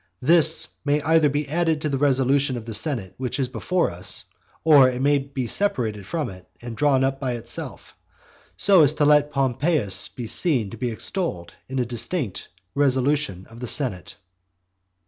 This may either be added to the resolution of the senate which is before us, or it may be separated from it and drawn up by itself, so as to let Pompeius be seen to be extolled in a distinct resolution of the senate.